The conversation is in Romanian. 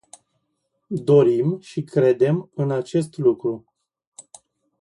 Dorim și credem în acest lucru.